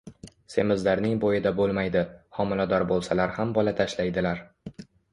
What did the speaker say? Semizlarning bo‘yida bo‘lmaydi, homilador bo‘lsalar ham bola tashlaydilar.